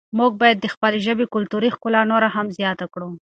موږ باید د خپلې ژبې کلتوري ښکلا نوره هم زیاته کړو.